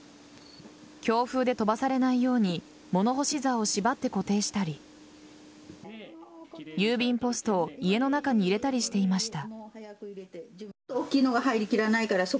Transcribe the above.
強風で飛ばされないように物干しざおを縛って固定したり郵便ポストを家の中に入れたりしていました。